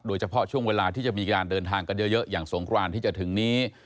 โดยเฉพาะช่วงเวลาที่จะมีการเดินทางกันเยอะอย่างสงครานที่จะถึงนี้